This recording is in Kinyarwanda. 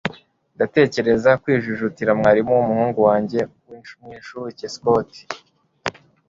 ndatekereza kwijujutira mwarimu wumuhungu wanjye mwincuke. (scott